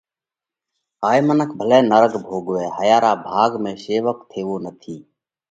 ھائي منک ڀلئہ نرڳ ڀوڳوئہ ھايا را ڀاڳ ۾ شيوڪ ٿيوو نٿِي۔